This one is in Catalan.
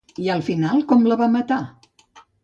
I al final com la va matar?